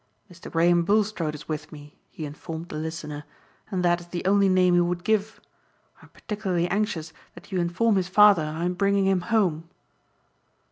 "Mr. Graham Bulstrode is with me," he informed the listener, "and that is the only name he would give. I am particularly anxious that you inform his father I am bringing him home.